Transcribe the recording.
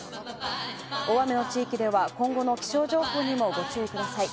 大雨の地域では今後の気象情報にもご注意ください。